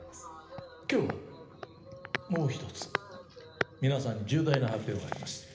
今日はもう一つ皆さんに重大な発表があります